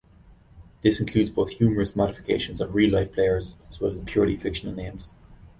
This includes both humorous modifications of real-life players, as well as purely fictional names.